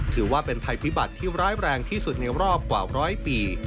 ถือว่าเป็นภัยพิบัติที่ร้ายแรงที่สุดในรอบกว่าร้อยปี